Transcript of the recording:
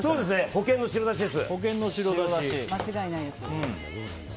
保険の白だしです。